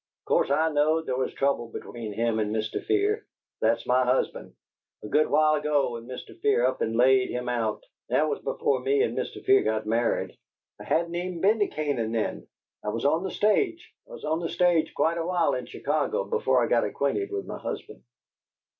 Of course I knowed there was trouble between him and Mr. Fear that's my husband a good while ago, when Mr. Fear up and laid him out. That was before me and Mr. Fear got married; I hadn't even be'n to Canaan then; I was on the stage. I was on the stage quite a while in Chicago before I got acquainted with my husband."